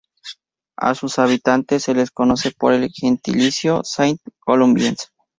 A sus habitantes se les conoce por el gentilicio "Sainte-Colombiens".